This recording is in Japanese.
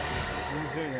面白いね。